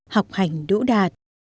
học hành đỗ đạt